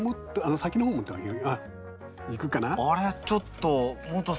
先の方を持ってあげる。